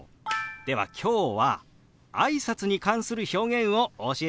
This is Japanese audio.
では今日はあいさつに関する表現をお教えしましょう。